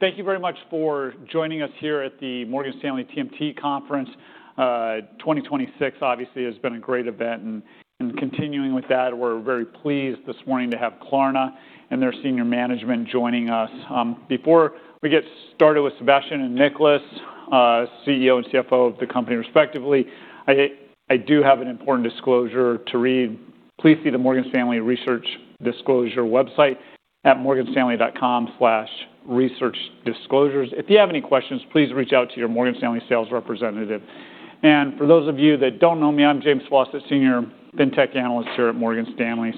Thank you very much for joining us here at the Morgan Stanley TMT Conference. 2026 obviously has been a great event. Continuing with that, we're very pleased this morning to have Klarna and their senior management joining us. Before we get started with Sebastian and Niclas, CEO and CFO of the company respectively, I do have an important disclosure to read. Please see the Morgan Stanley Research Disclosure website at morganstanley.com/researchdisclosures. If you have any questions, please reach out to your Morgan Stanley sales representative. For those of you that don't know me, I'm James Faucette, Senior Fintech Analyst here at Morgan Stanley.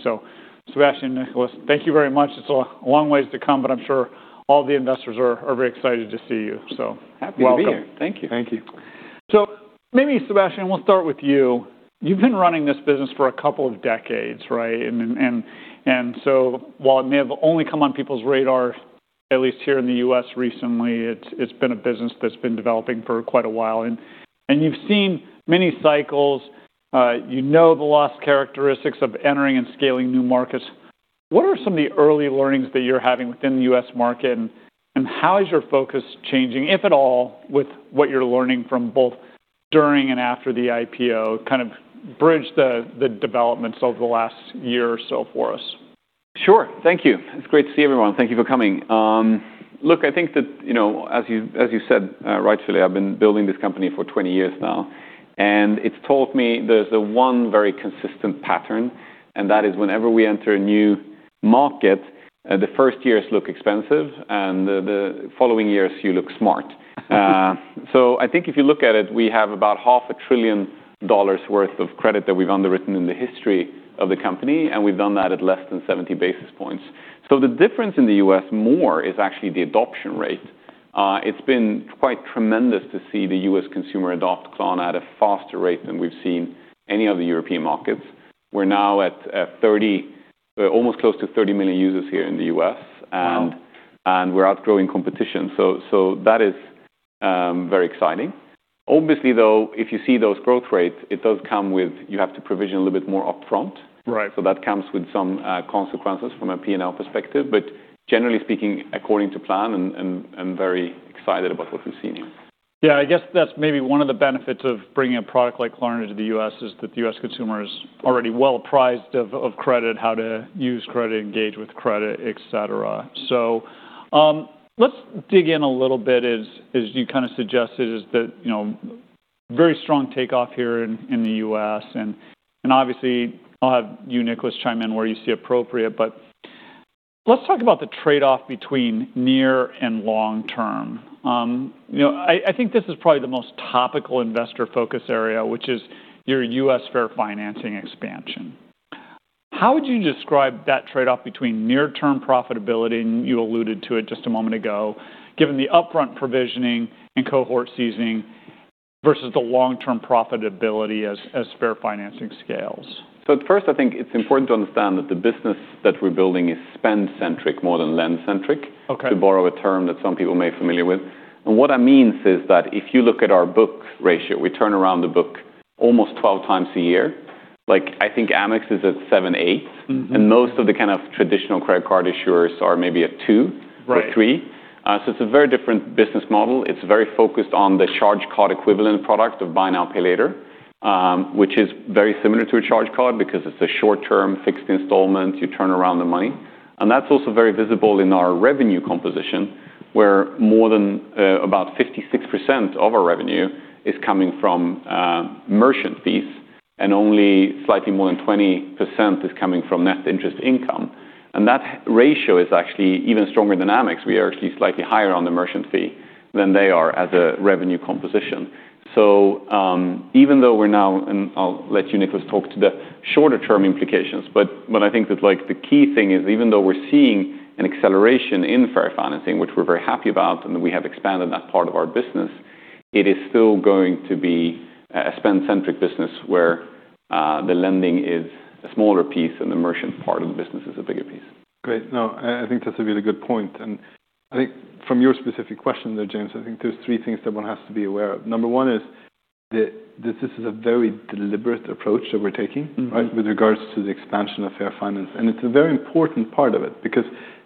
Sebastian, Niclas, thank you very much. It's a long ways to come, but I'm sure all the investors are very excited to see you. Welcome. Happy to be here. Thank you. Thank you. Maybe Sebastian, we'll start with you. You've been running this business for a couple of decades, right? While it may have only come on people's radar, at least here in the U.S. recently, it's been a business that's been developing for quite a while. You've seen many cycles, you know the cost characteristics of entering and scaling new markets. What are some of the early learnings that you're having within the U.S. market, and how is your focus changing, if at all, with what you're learning from both during and after the IPO, kind of bridge the developments over the last year or so for us? Sure. Thank you. It's great to see everyone. Thank you for coming. I think that, you know, as you said, rightfully, I've been building this company for 20 years now, and it's taught me there's the one very consistent pattern, and that is whenever we enter a new market, the first years look expensive and the following years you look smart. I think if you look at it, we have about $500 billion worth of credit that we've underwritten in the history of the company, and we've done that at less than 70 basis points. The difference in the U.S., more, is actually the adoption rate. It's been quite tremendous to see the U.S. consumer adopt Klarna at a faster rate than we've seen any of the European markets. We're almost close to 30 million users here in the U.S. Wow. We're outgrowing competition. That is very exciting. Obviously, though, if you see those growth rates, it does come with you have to provision a little bit more upfront. That comes with some consequences from a P&L perspective. Generally speaking, according to plan and very excited about what we've seen here. I guess that's maybe one of the benefits of bringing a product like Klarna to the U.S., is that the U.S. consumer is already well apprised of credit, how to use credit, engage with credit, etc. Let's dig in a little bit as you kind of suggested, you know, very strong takeoff here in the U.S. and obviously I'll have you, Niclas, chime in where you see appropriate. Let's talk about the trade-off between near and long term. You know, I think this is probably the most topical investor focus area, which is your U.S. Fair Financing expansion. How would you describe that trade-off between near term profitability, and you alluded to it just a moment ago, given the upfront provisioning and cohort seasoning versus the long-term profitability as Fair Financing scales? First, I think it's important to understand that the business that we're building is spend centric more than lend centric. Okay To borrow a term that some people may be familiar with. What that means is that if you look at our book ratio, we turn around the book almost 12 times a year. Like, I think Amex is at seven, eight. Most of the kind of traditional credit card issuers are maybe at two or three. It's a very different business model. It's very focused on the charge card equivalent product of buy now, pay later, which is very similar to a charge card because it's a short-term fixed installment. You turn around the money. That's also very visible in our revenue composition, where more than about 56% of our revenue is coming from merchant fees and only slightly more than 20% is coming from net interest income. That ratio is actually even stronger than Amex. We are actually slightly higher on the merchant fee than they are as a revenue composition. Even though we're now, and I'll let you, Niclas, talk to the shorter-term implications, but I think that like the key thing is, even though we're seeing an acceleration in Fair Financing, which we're very happy about, and we have expanded that part of our business, it is still going to be a spend-centric business where the lending is a smaller piece and the merchant part of the business is a bigger piece. Great. No, I think that's a really good point. I think from your specific question there, James, I think there's three things that one has to be aware of. Number one is that this is a very deliberate approach that we're taking-Right? With regards to the expansion of Fair Financing. It's a very important part of it, because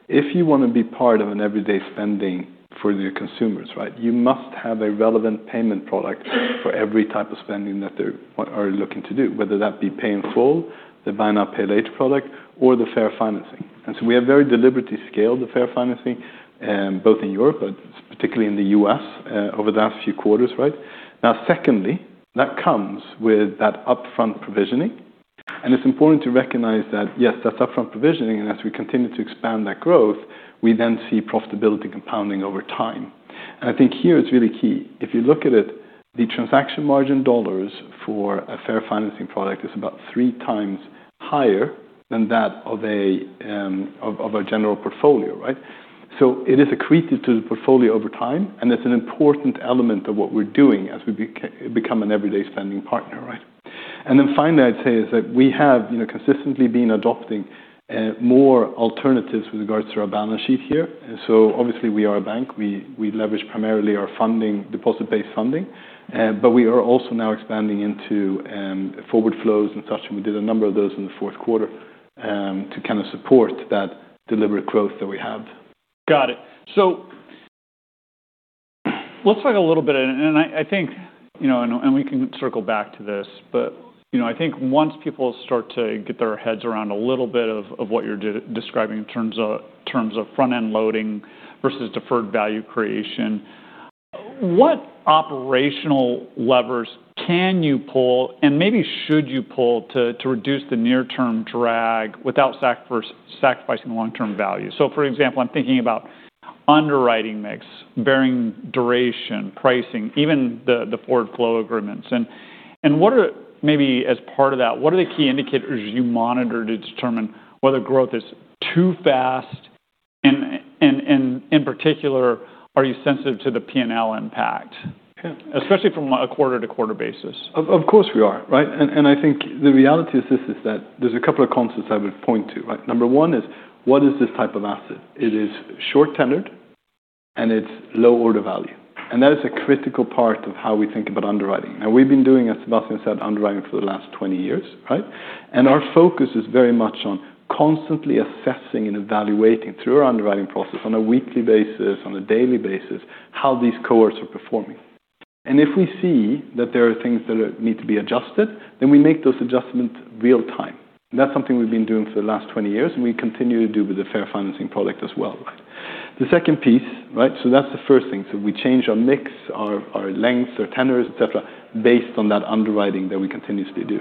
if you wanna be part of an everyday spending for your consumers, right? You must have a relevant payment product for every type of spending that they are looking to do, whether that be pay in full, the buy now pay later product, or the Fair Financing. We have very deliberately scaled the Fair Financing, both in Europe, but particularly in the U.S., over the last few quarters, right? Now, secondly, that comes with that upfront provisioning, and it's important to recognize that, yes, that's upfront provisioning, and as we continue to expand that growth, we then see profitability compounding over time. I think here it's really key. If you look at it, the transaction margin dollars for a Fair Financing product is about three times higher than that of a of a general portfolio, right? It is accretive to the portfolio over time, and it's an important element of what we're doing as we become an everyday spending partner, right? Finally, I'd say is that we have, you know, consistently been adopting more alternatives with regards to our balance sheet here. Obviously we are a bank. We leverage primarily our funding, deposit-based funding, but we are also now expanding into forward flows and such, and we did a number of those in the fourth quarter. To kind of support that deliberate growth that we have. Got it. Let's talk a little bit. I think, you know, and we can circle back to this, but, you know, I think once people start to get their heads around a little bit of what you're describing in terms of front-end loading versus deferred value creation, what operational levers can you pull, and maybe should you pull to reduce the near-term drag without sacrificing long-term value? For example, I'm thinking about underwriting mix, bearing duration, pricing, even the forward flow agreements. What are the key indicators you monitor to determine whether growth is too fast and, in particular, are you sensitive to the P&L impact? Especially from a quarter-to-quarter basis. Of course we are, right? I think the reality of this is that there's a couple of concepts I would point to, right? Number one is what is this type of asset? It is short-tenored, and it's low order value. That is a critical part of how we think about underwriting. Now, we've been doing, as Sebastian said, underwriting for the last 20 years, right? Our focus is very much on constantly assessing and evaluating through our underwriting process on a weekly basis, on a daily basis, how these cohorts are performing. If we see that there are things that need to be adjusted, then we make those adjustments real-time. That's something we've been doing for the last 20 years, and we continue to do with the Fair Financing product as well. The second piece, right? That's the first thing. We change our mix, our lengths, our tenors, etc, based on that underwriting that we continuously do.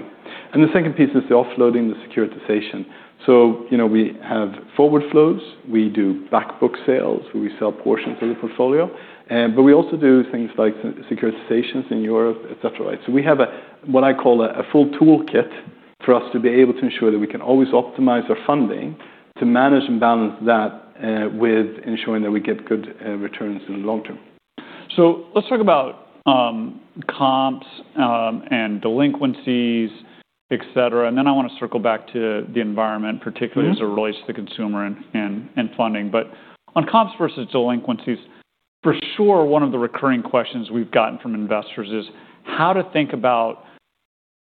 The second piece is the offloading, the securitization. You know, we have forward flows. We do back book sales, where we sell portions of the portfolio. But we also do things like synthetic securitizations in Europe, etc. We have what I call a full toolkit for us to be able to ensure that we can always optimize our funding to manage and balance that, with ensuring that we get good returns in the long term. Let's talk about comps and delinquencies, etc. Then I wanna circle back to the environment, particularly- As it relates to the consumer and funding. On comps versus delinquencies, for sure, one of the recurring questions we've gotten from investors is how to think about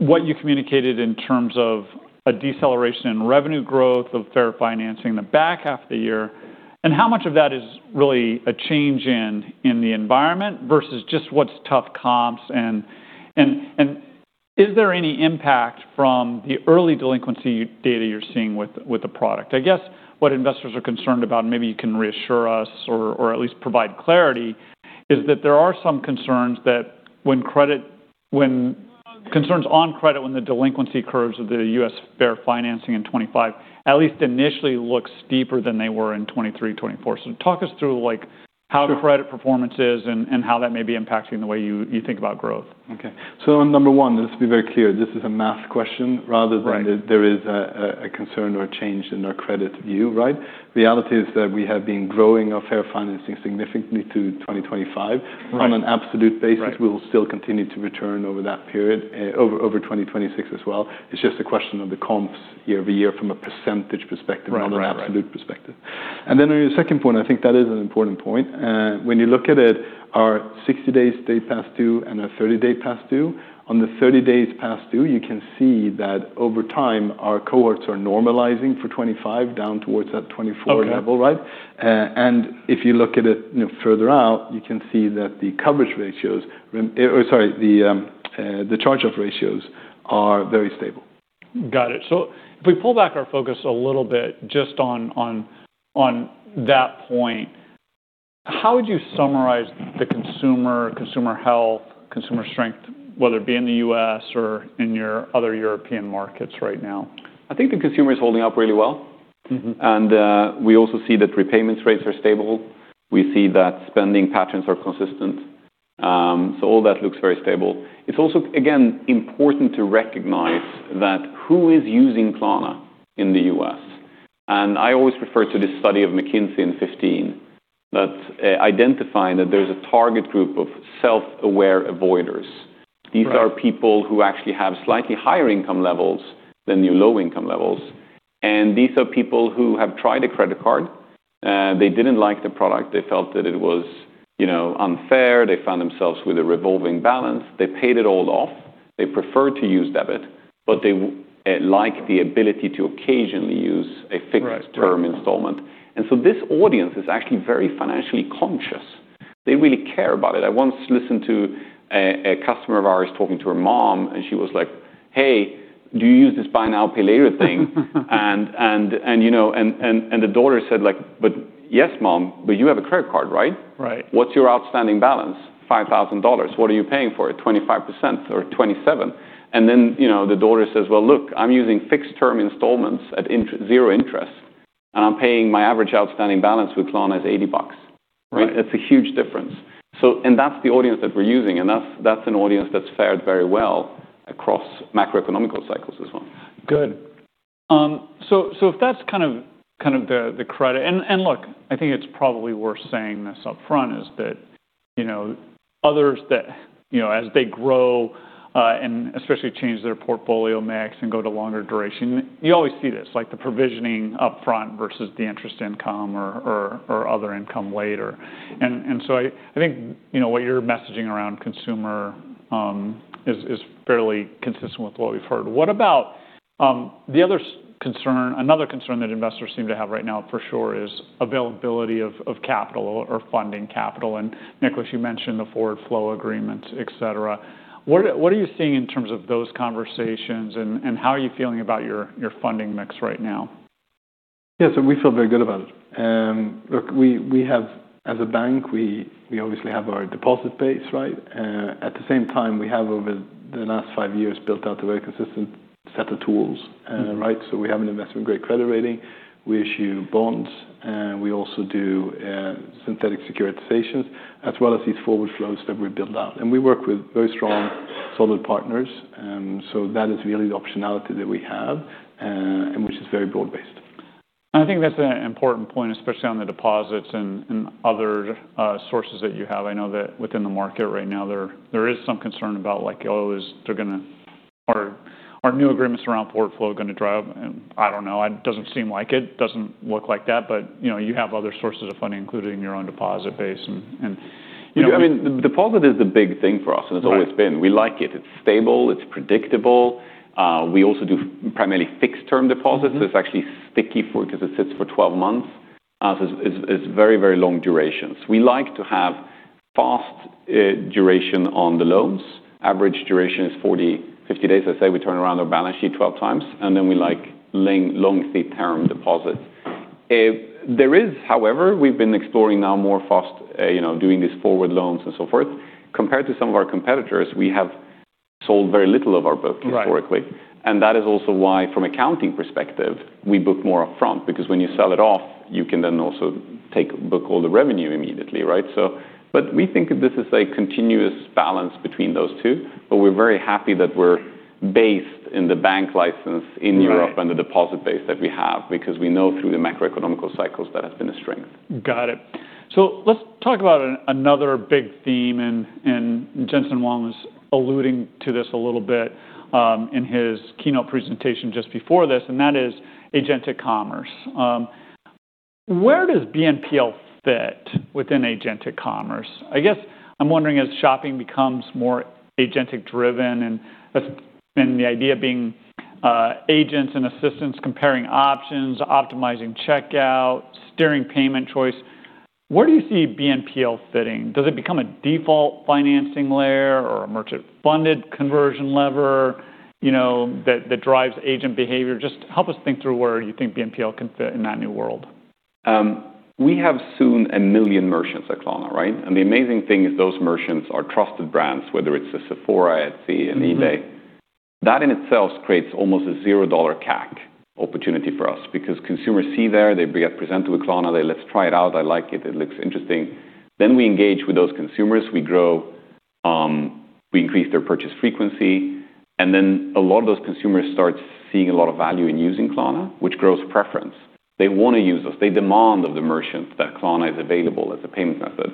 what you communicated in terms of a deceleration in revenue growth of Fair Financing in the back half of the year, and how much of that is really a change in the environment versus just what's tough comps and is there any impact from the early delinquency data you're seeing with the product. I guess what investors are concerned about, and maybe you can reassure us or at least provide clarity, is that there are some concerns that when concerns on credit when the delinquency curves of the U.S. Fair Financing in 2025, at least initially, looks steeper than they were in 2023, 2024. Talk us through, like, how the credit performance is and how that may be impacting the way you think about growth. Okay. On number one, let's be very clear, this is a math question rather than. Right. There is a concern or change in our credit view, right? The reality is that we have been growing our Fair Financing significantly to 2025. On an absolute basis. We will still continue to return over that period, over 2026 as well. It's just a question of the comps year-over-year from a percentage perspective. Not an absolute perspective. Then on your second point, I think that is an important point. When you look at it, our 60 days past due and our 30-day past due, on the 30 days past due, you can see that over time, our cohorts are normalizing for 2025 down towards that 2024 level, right? Okay. If you look at it, you know, further out, you can see that the charge-off ratios are very stable. Got it. If we pull back our focus a little bit just on that point, how would you summarize the consumer health, consumer strength, whether it be in the U.S. or in your other European markets right now? I think the consumer is holding up really well. We also see that repayment rates are stable. We see that spending patterns are consistent. All that looks very stable. It's also, again, important to recognize that who is using Klarna in the U.S. I always refer to this study of McKinsey in 2015 that identifying that there's a target group of self-aware avoiders. These are people who actually have slightly higher income levels than your low income levels. These are people who have tried a credit card. They didn't like the product. They felt that it was, you know, unfair. They found themselves with a revolving balance. They paid it all off. They prefer to use debit, but they like the ability to occasionally use a fixed-term installment. This audience is actually very financially conscious. They really care about it. I once listened to a customer of ours talking to her mom, and she was like, "Hey, do you use this buy now, pay later thing?" And the daughter said like, "But yes, mom, but you have a credit card, right? What's your outstanding balance? $5,000. What are you paying for it? 25% or 27%." You know, the daughter says, "Well, look, I'm using fixed term installments at 0% interest, and I'm paying my average outstanding balance with Klarna is $80. It's a huge difference. That's the audience that we're using, and that's an audience that's fared very well across macroeconomic cycles as well. Good. If that's kind of the credit. Look, I think it's probably worth saying this upfront, is that you know, others that you know, as they grow and especially change their portfolio mix and go to longer duration, you always see this, like the provisioning upfront versus the interest income or other income later. I think you know, what you're messaging around consumer is fairly consistent with what we've heard. Another concern that investors seem to have right now for sure is availability of capital or funding capital. Niclas, you mentioned the forward flow agreement, et cetera. What are you seeing in terms of those conversations and how are you feeling about your funding mix right now? We feel very good about it. Look, we have as a bank, we obviously have our deposit base, right? At the same time, we have over the last five years built out a very consistent set of tools, right? We have an investment-grade credit rating. We issue bonds, and we also do synthetic securitizations as well as these forward flows that we build out. We work with very strong, solid partners. That is really the optionality that we have, and which is very broad-based. I think that's an important point, especially on the deposits and other sources that you have. I know that within the market right now, there is some concern about like, are new agreements around portfolio gonna drive? I don't know. Doesn't seem like it. Doesn't look like that. You know, you have other sources of funding, including your own deposit base and you know- I mean, deposit is the big thing for us, and it's always been. We like it. It's stable. It's predictable. We also do primarily fixed-term deposits, so it's actually sticky 'cause it sits for 12 months. It's very, very long durations. We like to have fast duration on the loans. Average duration is 40-50 days. I say we turn around our balance sheet 12 times, and then we like long-term deposits. However, we've been exploring now faster, you know, doing these forward flows and so forth. Compared to some of our competitors, we have sold very little of our book historically. That is also why from accounting perspective, we book more upfront because when you sell it off, you can then also book all the revenue immediately, right? But we think this is a continuous balance between those two, but we're very happy that we're based in the bank license in Europe. The deposit base that we have because we know through the macroeconomic cycles that has been a strength. Got it. Let's talk about another big theme and Jensen Huang was alluding to this a little bit in his keynote presentation just before this, and that is agentic commerce. Where does BNPL fit within agentic commerce? I guess I'm wondering as shopping becomes more agentic-driven and the idea being agents and assistants comparing options, optimizing checkout, steering payment choice, where do you see BNPL fitting? Does it become a default financing layer or a merchant-funded conversion lever, you know, that drives agent behavior? Just help us think through where you think BNPL can fit in that new world. We have soon 1 million merchants at Klarna, right? The amazing thing is those merchants are trusted brands, whether it's a Sephora, Etsy, and eBay. That in itself creates almost a $0 CAC opportunity for us because consumers see there, they get presented with Klarna, they're, "Let's try it out. I like it. It looks interesting." We engage with those consumers. We grow, we increase their purchase frequency, and a lot of those consumers start seeing a lot of value in using Klarna, which grows preference. They wanna use us. They demand of the merchants that Klarna is available as a payment method.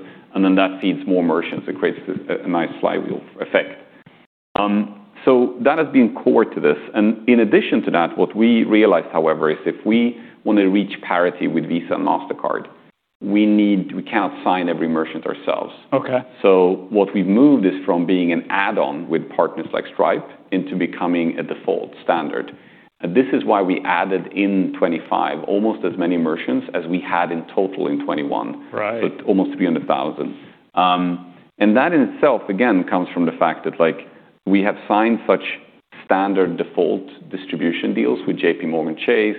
That feeds more merchants. It creates a nice flywheel effect. That has been core to this. In addition to that, what we realized, however, is if we wanna reach parity with Visa and Mastercard, we can't sign every merchant ourselves. Okay. What we've moved is from being an add-on with partners like Stripe into becoming a default standard. This is why we added in 2025 almost as many merchants as we had in total in 2021. Almost 300,000. That in itself again comes from the fact that, like, we have signed such standard default distribution deals with JPMorgan Chase,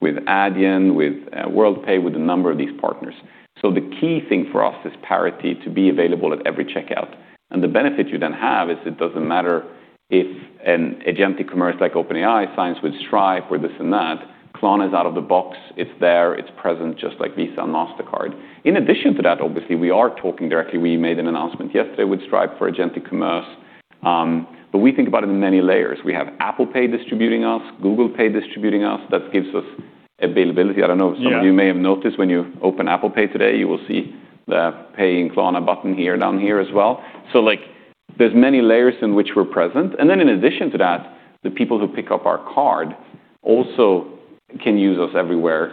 with Adyen, with Worldpay, with a number of these partners. The key thing for us is parity to be available at every checkout. The benefit you then have is it doesn't matter if an agentic commerce like OpenAI signs with Stripe or this and that. Klarna is out of the box. It's there. It's present just like Visa and Mastercard. In addition to that, obviously, we are talking directly. We made an announcement yesterday with Stripe for agentic commerce. We think about it in many layers. We have Apple Pay distributing us, Google Pay distributing us. That gives us availability. I don't know. If some of you may have noticed when you open Apple Pay today, you will see the Pay with Klarna button here, down here as well. Like, there's many layers in which we're present. Then in addition to that, the people who pick up our card also can use us everywhere.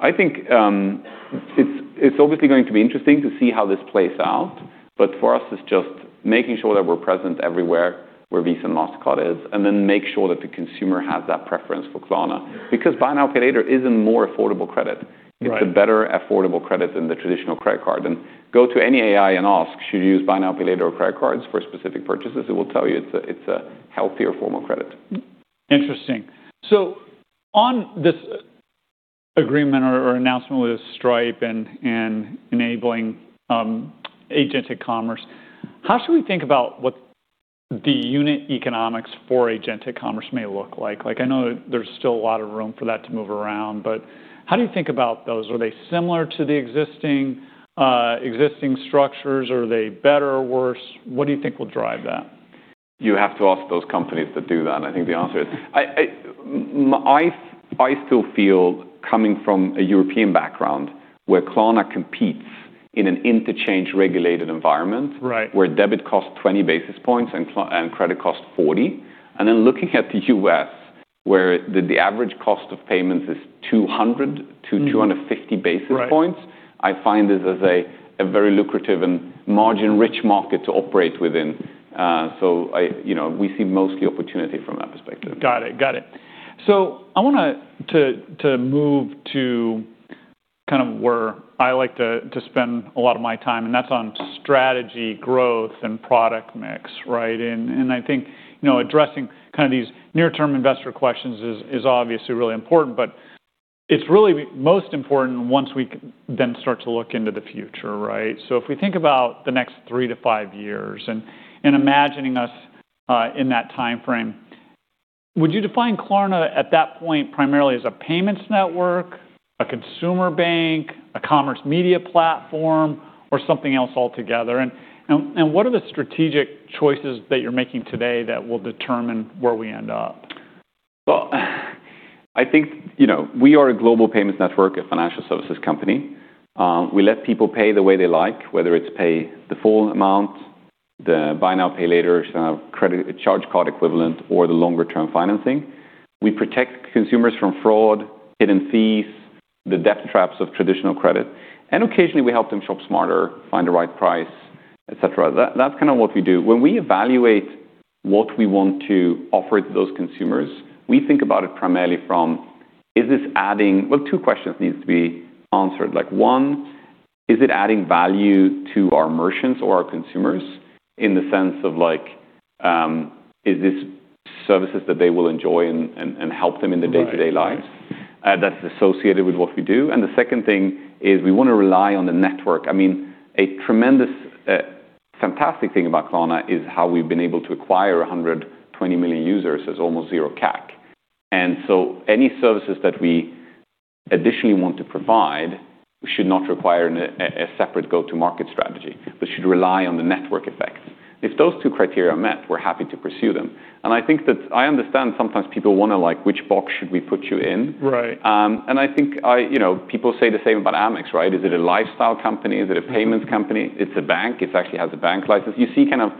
I think, it's obviously going to be interesting to see how this plays out. For us, it's just making sure that we're present everywhere where Visa and Mastercard is, and then make sure that the consumer has that preference for Klarna. Because buy now, pay later isn't more affordable credit. It's a better affordable credit than the traditional credit card. Go to any AI and ask, "Should you use Buy Now, Pay Later or credit cards for specific purchases?" It will tell you it's a healthier form of credit. Interesting. On this agreement or announcement with Stripe and enabling agentic commerce, how should we think about what the unit economics for agentic commerce may look like? Like, I know there's still a lot of room for that to move around, but how do you think about those? Are they similar to the existing structures? Are they better or worse? What do you think will drive that? You have to ask those companies that do that, and I think the answer is I still feel coming from a European background where Klarna competes in an interchange regulated environment....where debit costs 20 basis points and credit costs 40 basis points, and then looking at the U.S. where the average cost of payments is 200 basis points-250 basis points. I find this as a very lucrative and margin-rich market to operate within. You know, we see mostly opportunity from that perspective. Got it. I wanna move to kind of where I like to spend a lot of my time, and that's on strategy, growth, and product mix, right? I think, you know, addressing kinda these near-term investor questions is obviously really important, but it's really most important once we then start to look into the future, right? If we think about the next three to five years and imagining us in that timeframe, would you define Klarna at that point primarily as a payments network, a consumer bank, a commerce media platform, or something else altogether? What are the strategic choices that you're making today that will determine where we end up? Well, I think, you know, we are a global payments network, a financial services company. We let people pay the way they like, whether it's pay the full amount, the buy now, pay later sort of credit charge card equivalent or the longer-term financing. We protect consumers from fraud, hidden fees, the debt traps of traditional credit, and occasionally we help them shop smarter, find the right price, etc. That's kinda what we do. When we evaluate what we want to offer to those consumers, we think about it primarily from, well, two questions needs to be answered. Like, one, is it adding value to our merchants or our consumers in the sense of like, is this services that they will enjoy and help them in their day-to-day lives?. That is associated with what we do? The second thing is we wanna rely on the network. I mean, a tremendous, fantastic thing about Klarna is how we've been able to acquire 120 million users at almost $0 CAC. Any services that we additionally want to provide should not require a separate go-to-market strategy, but should rely on the network effects. If those two criteria are met, we're happy to pursue them. I think that I understand sometimes people wonder like, which box should we put you in? I think. You know, people say the same about Amex, right? Is it a lifestyle company? Is it a payments company? It's a bank. It's actually has a bank license. You see kind of.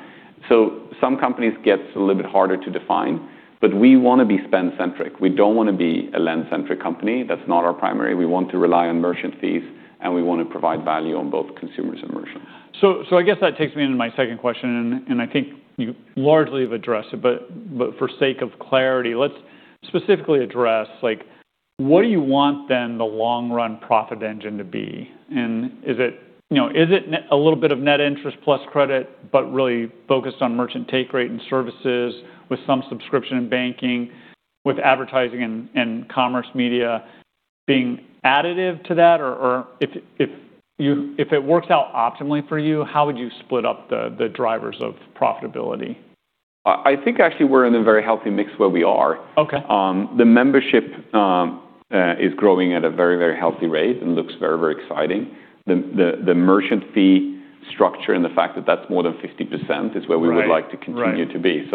Some companies gets a little bit harder to define. We wanna be spend centric. We don't wanna be a lend-centric company. That's not our primary. We want to rely on merchant fees, and we want to provide value on both consumers and merchants. I guess that takes me into my second question, and I think you largely have addressed it, but for sake of clarity, let's specifically address like what do you want then the long run profit engine to be? Is it, you know, is it a little bit of net interest plus credit, but really focused on merchant take rate and services with some subscription and banking with advertising and commerce media being additive to that? If it works out optimally for you, how would you split up the drivers of profitability? I think actually we're in a very healthy mix where we are. Okay. The membership is growing at a very, very healthy rate and looks very, very exciting. The merchant fee structure and the fact that that's more than 50% is where we would like to continue to be.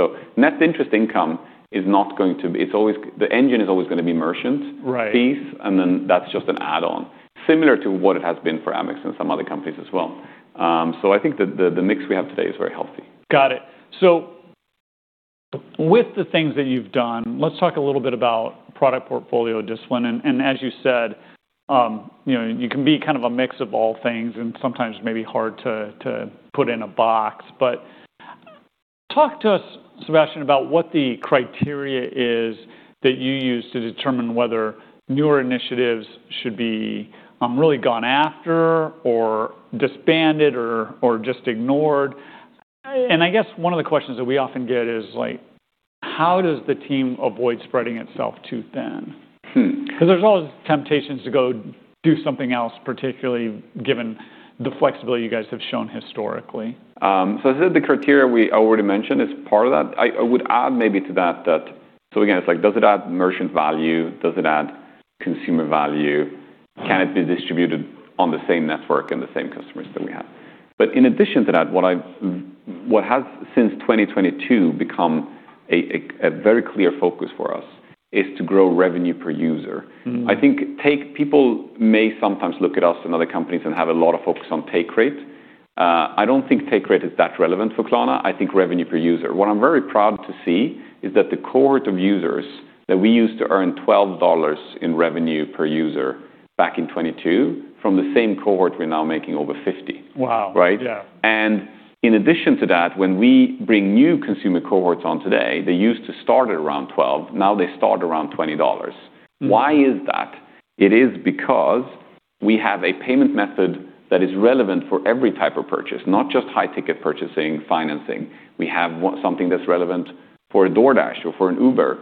The engine is always gonna be merchant-fees, and then that's just an add-on, similar to what it has been for Amex and some other companies as well. I think the mix we have today is very healthy. Got it. With the things that you've done, let's talk a little bit about product portfolio discipline and as you said, you know, you can be kind of a mix of all things and sometimes maybe hard to put in a box. Talk to us, Sebastian, about what the criteria is that you use to determine whether newer initiatives should be really gone after or disbanded or just ignored. I guess one of the questions that we often get is like, how does the team avoid spreading itself too thin? 'Cause there's always temptations to go do something else, particularly given the flexibility you guys have shown historically. I said the criteria we already mentioned is part of that. I would add maybe to that. Again, it's like does it add merchant value? Does it add consumer value? Can it be distributed on the same network and the same customers that we have? In addition to that, what has since 2022 become a very clear focus for us is to grow revenue per user. I think people may sometimes look at us and other companies and have a lot of focus on take rate. I don't think take rate is that relevant for Klarna. I think revenue per user. What I'm very proud to see is that the cohort of users that we used to earn $12 in revenue per user back in 2022, from the same cohort, we're now making over $50. Wow. Right? Yeah. In addition to that, when we bring new consumer cohorts on today, they used to start at around $12, now they start around $20. Why is that? It is because we have a payment method that is relevant for every type of purchase, not just high ticket purchasing, financing. We have something that's relevant for a DoorDash or for an Uber.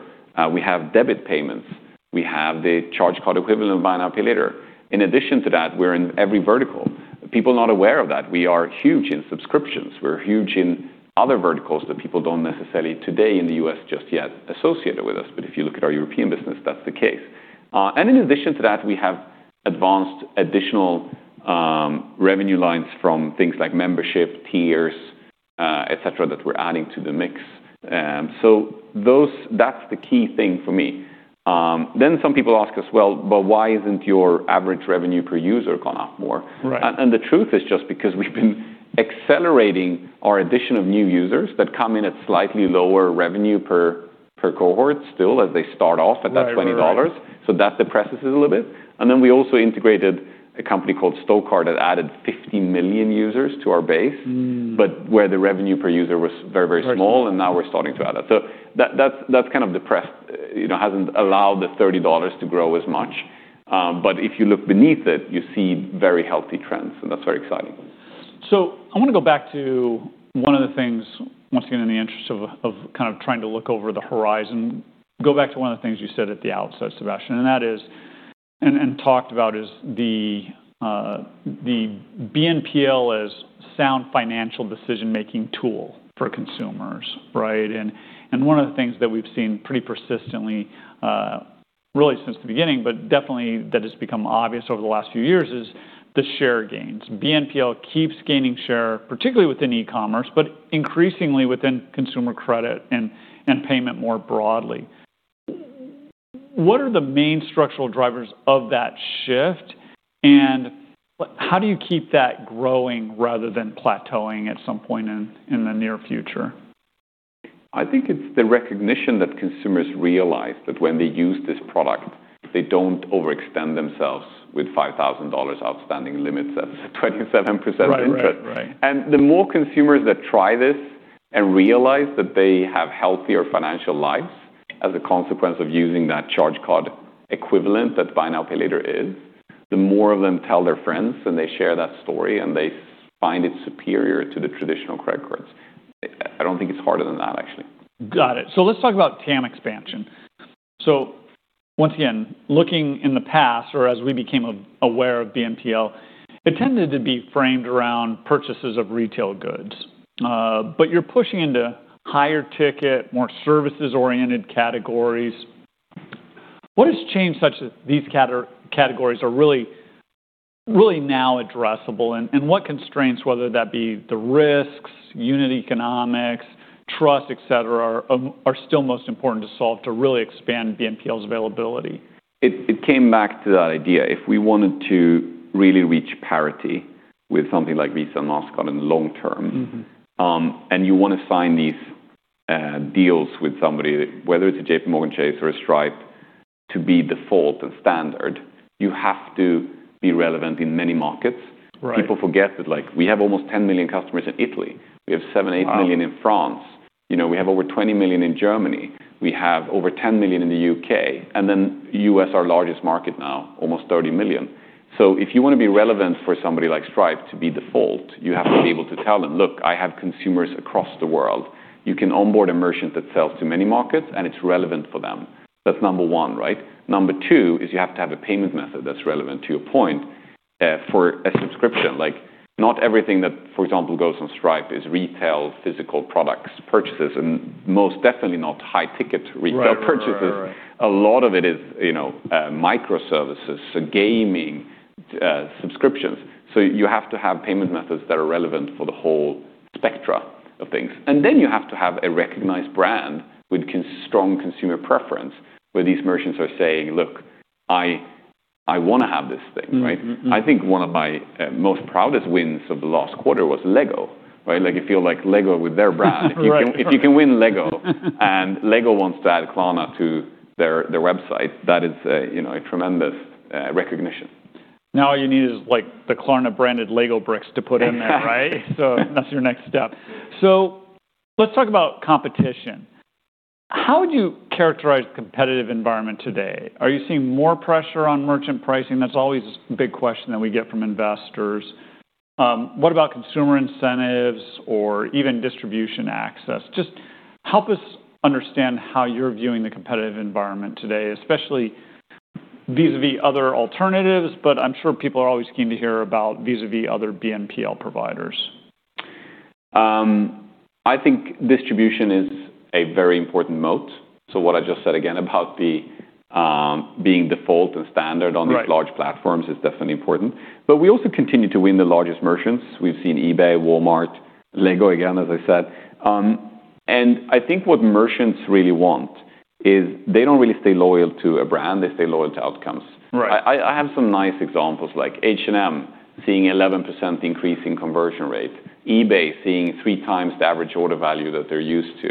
We have debit payments. We have the charge card equivalent of buy now, pay later. In addition to that, we're in every vertical. People are not aware of that. We are huge in subscriptions. We're huge in other verticals that people don't necessarily today in the U.S. just yet associate it with us. If you look at our European business, that's the case. In addition to that, we have additional revenue lines from things like membership tiers, et cetera, that we're adding to the mix. That's the key thing for me. Some people ask us, well, but why isn't your average revenue per user gone up more? The truth is just because we've been accelerating our addition of new users that come in at slightly lower revenue per cohort still as they start off at that $20. That depresses it a little bit. We also integrated a company called Stocard that added 50 million users to our base. Where the revenue per user was very, very small. Now we're starting to add that. That's kind of depressed, you know, hasn't allowed the $30 to grow as much. If you look beneath it, you see very healthy trends, and that's very exciting. I wanna go back to one of the things, once again, in the interest of kind of trying to look over the horizon, go back to one of the things you said at the outset, Sebastian, and that is and talked about is the BNPL as sound financial decision-making tool for consumers, right? One of the things that we've seen pretty persistently, really since the beginning, but definitely that has become obvious over the last few years is the share gains. BNPL keeps gaining share, particularly within e-commerce, but increasingly within consumer credit and payment more broadly. What are the main structural drivers of that shift, and what how do you keep that growing rather than plateauing at some point in the near future? I think it's the recognition that consumers realize that when they use this product, they don't overextend themselves with $5,000 outstanding limits at 27% interest. The more consumers that try this and realize that they have healthier financial lives as a consequence of using that charge card equivalent that Buy Now, Pay Later is, the more of them tell their friends, and they share that story, and they find it superior to the traditional credit cards. I don't think it's harder than that, actually. Got it. Let's talk about TAM expansion. Once again, looking in the past or as we became aware of BNPL, it tended to be framed around purchases of retail goods. But you're pushing into higher ticket, more services-oriented categories. What has changed such that these categories are really now addressable, and what constraints, whether that be the risks, unit economics, trust, etc, are still most important to solve to really expand BNPL's availability? It came back to that idea. If we wanted to really reach parity with something like Visa and Mastercard in the long term. You wanna sign these deals with somebody, whether it's a JPMorgan Chase or a Stripe, to be the default and standard, you have to be relevant in many markets. People forget that, like, we have almost 10 million customers in Italy. We have 7, 8 million- Wow in France. You know, we have over 20 million in Germany. We have over 10 million in the U.K., and then U.S., our largest market now, almost 30 million. If you wanna be relevant for somebody like Stripe to be default, you have to be able to tell them, "Look, I have consumers across the world." You can onboard a merchant that sells to many markets, and it's relevant for them. That's number one, right? Number two is you have to have a payment method that's relevant to your point for a subscription. Like, not everything that, for example, goes on Stripe is retail, physical products, purchases, and most definitely not high ticket retail purchases. A lot of it is, you know, microservices, so gaming, subscriptions. You have to have payment methods that are relevant for the whole spectrum of things. Then you have to have a recognized brand with strong consumer preference, where these merchants are saying, "Look, I wanna have this thing," right? I think one of my most proudest wins of the last quarter was Lego, right? Like, if you have, like, Lego with their brand. If you can win Lego, and Lego wants to add Klarna to their website, that is, you know, a tremendous recognition. Now all you need is, like, the Klarna-branded Lego bricks to put in there, right? That's your next step. Let's talk about competition. How would you characterize the competitive environment today? Are you seeing more pressure on merchant pricing? That's always a big question that we get from investors. What about consumer incentives or even distribution access? Just help us understand how you're viewing the competitive environment today, especially vis-a-vis other alternatives, but I'm sure people are always keen to hear about vis-a-vis other BNPL providers. I think distribution is a very important moat. What I just said again about the being default and standard-... on these large platforms is definitely important. We also continue to win the largest merchants. We've seen eBay, Walmart, Lego, again, as I said. I think what merchants really want is they don't really stay loyal to a brand, they stay loyal to outcomes. I have some nice examples like H&M seeing 11% increase in conversion rate, eBay seeing three times the average order value that they're used to.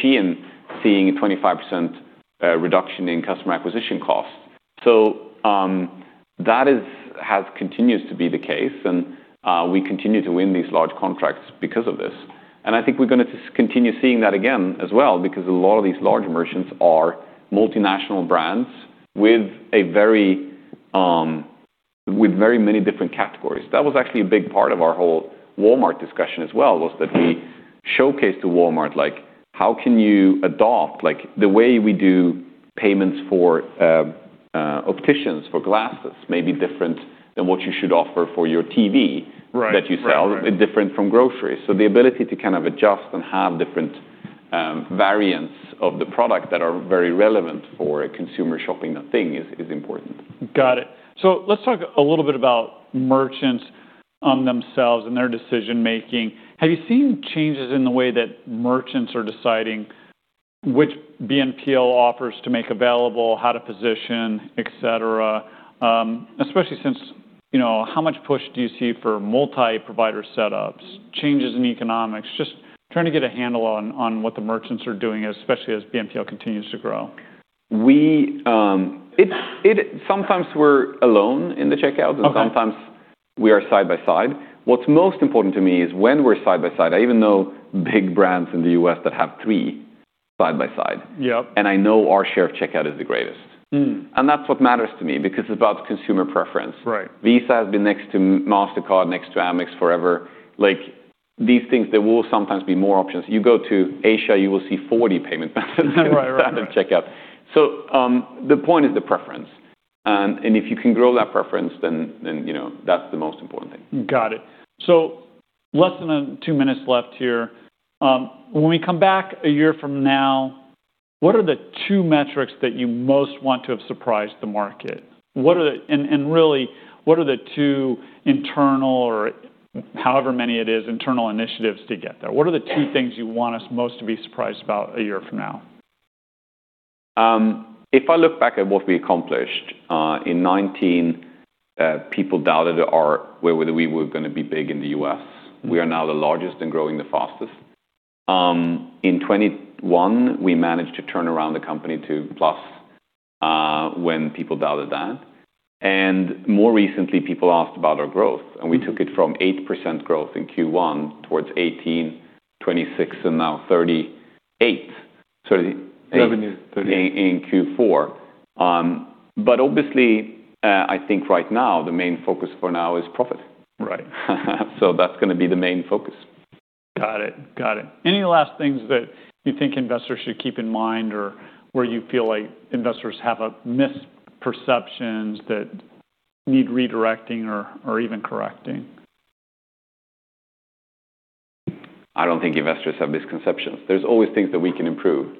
SHEIN seeing a 25% reduction in customer acquisition costs. That has continued to be the case, and we continue to win these large contracts because of this. I think we're gonna just continue seeing that again as well because a lot of these large merchants are multinational brands with very many different categories. That was actually a big part of our whole Walmart discussion as well, was that we showcased to Walmart, like, how can you adopt like the way we do payments for, opticians for glasses may be different than what you should offer for your TV that you sell different from groceries. The ability to kind of adjust and have different variants of the product that are very relevant for a consumer shopping that thing is important. Got it. Let's talk a little bit about merchants on themselves and their decision-making. Have you seen changes in the way that merchants are deciding which BNPL offers to make available, how to position, etc? Especially since, you know, how much push do you see for multi-provider setups, changes in economics? Just trying to get a handle on what the merchants are doing, especially as BNPL continues to grow. Sometimes we're alone in the checkout. Okay. Sometimes we are side-by-side. What's most important to me is when we're side-by-side. I even know big brands in the U.S. that have three side-by-side. I know our share of checkout is the greatest. That's what matters to me because it's about consumer preference. Visa has been next to Mastercard, next to Amex forever. Like, these things, there will sometimes be more options. You go to Asia, you will see 40 payment methods. At the checkout. The point is the preference. If you can grow that preference, then you know, that's the most important thing. Got it. Less than 2 minutes left here. When we come back a year from now, what are the two metrics that you most want to have surprised the market? What are really the two internal or however many it is, internal initiatives to get there? What are the two things you want us most to be surprised about a year from now? If I look back at what we accomplished in 2019, people doubted whether we were gonna be big in the U.S. We are now the largest and growing the fastest. In 2021, we managed to turn around the company to plus when people doubted that. More recently, people asked about our growth, and we took it from 8% growth in Q1 towards 18%, 26%, and now 38%. Revenue, 38%. In Q4. Obviously, I think right now the main focus for now is profit. That's gonna be the main focus. Got it. Any last things that you think investors should keep in mind or where you feel like investors have misconceptions that need redirecting or even correcting? I don't think investors have misconceptions. There's always things that we can improve.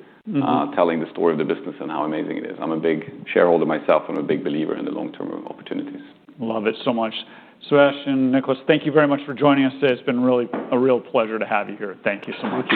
Telling the story of the business and how amazing it is. I'm a big shareholder myself. I'm a big believer in the long-term opportunities. Love it so much. Sebastian, Niclas, thank you very much for joining us today. It's been really a real pleasure to have you here. Thank you so much.